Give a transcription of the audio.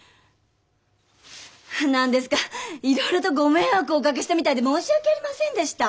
何ですかいろいろとご迷惑をおかけしたみたいで申し訳ありませんでした。